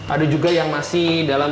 ada juga yang masih dalam